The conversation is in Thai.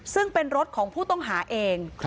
ซึ่งเป็นรถของผู้ต้องหาเอง